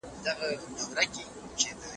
د غلا سزا د عبرت لپاره ده.